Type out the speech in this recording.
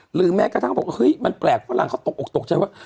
หรือแม้กระทั่งบอกมันแปลกเพราะหลังเขาตกออกตกใจว่า